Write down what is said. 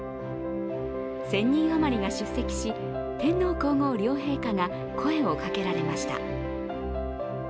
１０００人余りが出席し天皇皇后両陛下が声をかけられました。